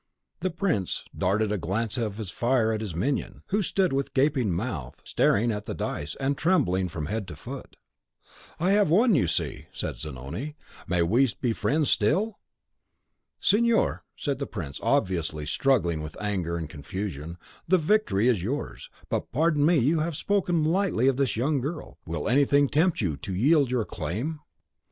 The prince darted a glance of fire at his minion, who stood with gaping mouth, staring at the dice, and trembling from head to foot. "I have won, you see," said Zanoni; "may we be friends still?" "Signor," said the prince, obviously struggling with anger and confusion, "the victory is yours. But pardon me, you have spoken lightly of this young girl, will anything tempt you to yield your claim?"